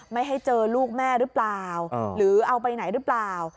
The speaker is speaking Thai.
ไม่ให้เจอลูกแม่หรือเปล่าหรือเอาไปไหนหรือเปล่า